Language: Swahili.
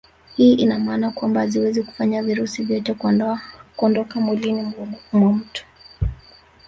Hii ina maana kwamba haziwezi kufanya virusi vyote kuondoka mwilini mwa mtu